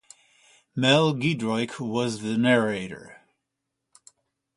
Mel Giedroyc was the narrator.